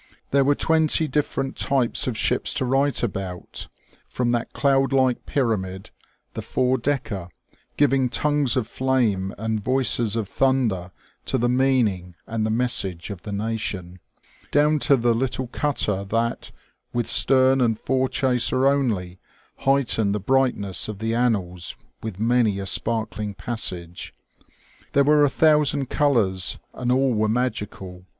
There were twenty different types of ships to write about; from that cloud like pyramid, the four decker, giving tongues of flame and voices of thunder to the meaning and the message of the nation, down to the little cutter that, with stern and fore chaser only, heightened the brightness of the annals with many a sparkling passage. There were a thousand colours, and all were magical.